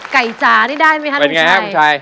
ไก่จานี่ได้ไหมครับคุณชาย